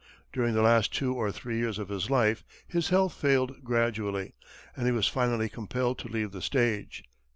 During the last two or three years of his life his health failed gradually, and he was finally compelled to leave the stage.